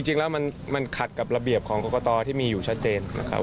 จริงแล้วมันขัดกับระเบียบของกรกตที่มีอยู่ชัดเจนนะครับ